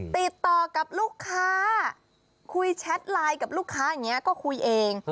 ติดต่อกับลูกค้าคุยแชทไลน์กับลูกค้าอย่างนี้ก็คุยเอง